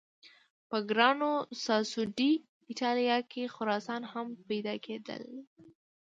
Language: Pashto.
په ګران ساسو ډي ایټالیا کې خرسان هم پیدا کېدل.